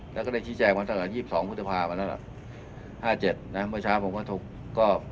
แล้วก็ได้ชี้แชกวันทั้งแต่๒๒พฤษภาพนั่นละ๕๗นะเมื่อเช้าผมก็ทุกก็